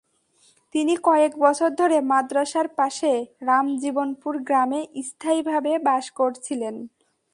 তিনি কয়েক বছর ধরে মাদ্রাসার পাশে রামজীবনপুর গ্রামে স্থায়ীভাবে বাস করছিলেন।